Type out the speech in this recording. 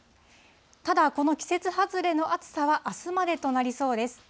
ただ、この季節外れの暑さはあすまでとなりそうです。